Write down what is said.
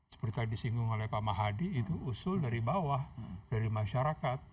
seperti tadi singgung oleh pak mahadi itu usul dari bawah dari masyarakat